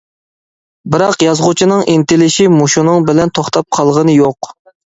بىراق يازغۇچىنىڭ ئىنتىلىشى مۇشۇنىڭ بىلەن توختاپ قالغىنى يوق.